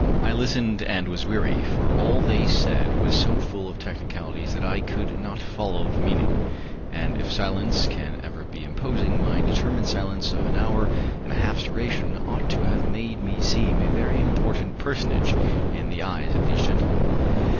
I listened and was weary, for all they said was so full of technicalities that I could not follow the meaning; and if silence can ever be imposing, my determined silence of an hour and a half's duration ought to have made me seem a very important personage in the eyes of these gentlemen.